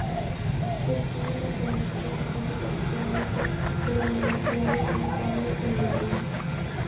Estudió matemáticas y física teórica en la Universidad de California en Dublín.